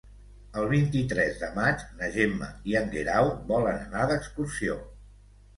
El vint-i-tres de maig na Gemma i en Guerau volen anar d'excursió.